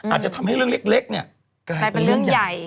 อาจจะทำให้เรื่องเล็กเนี่ยกลายเป็นเรื่องใหญ่